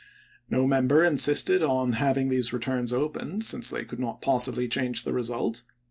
' member insisted on having these returns opened, since they could not possibly change the result.